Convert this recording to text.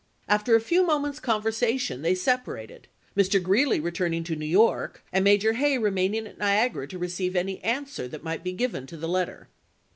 After a few moments' conversation they separated, Mr. Greeley returning to New York and Major Hay remaining at Niagara to receive any answer that might be given to the let ter.